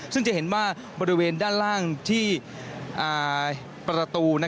ซึ่งจะเห็นว่าบริเวณด้านล่างที่ประตู